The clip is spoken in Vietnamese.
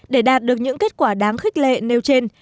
để đạt được những kết quả đáng khích lệ nêu trên